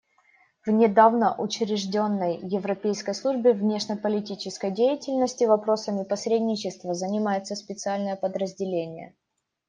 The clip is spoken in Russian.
В недавно учрежденной Европейской службе внешнеполитической деятельности вопросами посредничества занимается специальное подразделение.